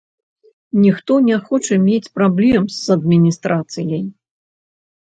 Ніхто не хоча мець праблем з адміністрацыяй.